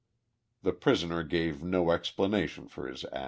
The prisoner gave no explanation for his act.